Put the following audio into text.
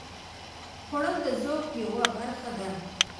خوړل د ذوق یوه برخه ده